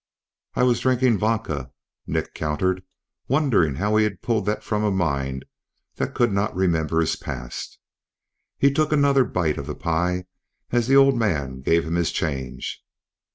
"I was drinking vodka," Nick countered, wondering how he had pulled that from a mind that could not remember his past. He took another bite of the pie as the old man gave him his change.